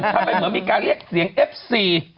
ทำไมเหมือนมีการเรียกเสียงเอฟซี